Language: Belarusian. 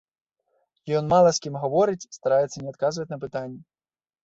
Ён мала з кім гаворыць, стараецца не адказваць на пытанні.